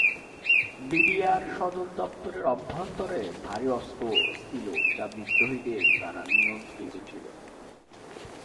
BDR সদর দফতরের অভ্যন্তরে ভারী অস্ত্র ছিল যা বিদ্রোহীদের দ্বারা নিয়ন্ত্রিত ছিল।